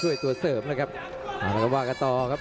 เหมากฃล่าเข้ากระต่อครับ